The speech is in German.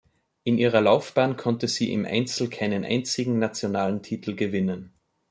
In ihrer Laufbahn konnte sie im Einzel keinen einzigen nationalen Titel gewinnen.